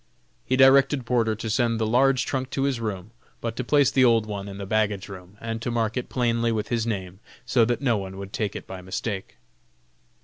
He directed Porter to send the large trunk to his room, but to place the old one in the baggage room, and to mark it plainly with his name, so that no one would take it by mistake.